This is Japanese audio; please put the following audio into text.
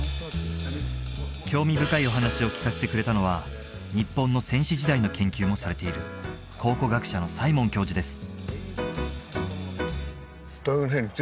興味深いお話を聞かせてくれたのは日本の先史時代の研究もされている考古学者のサイモン教授です